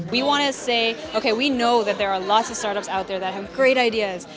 kita ingin mengatakan oke kita tahu bahwa ada banyak startup di luar sana yang memiliki ide yang bagus